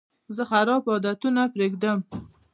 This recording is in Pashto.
زه خراب عادتونه پرېږدم.